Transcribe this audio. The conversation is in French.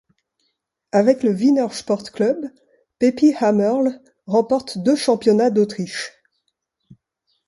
Avec le Wiener Sport-Club, Pepi Hamerl remporte deux championnats d'Autriche.